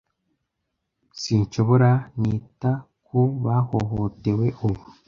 sinshobora nita ku bahohotewe ubu